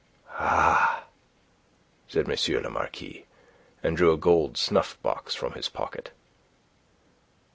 "Ah!" said M. le Marquis, and drew a gold snuffbox from his pocket.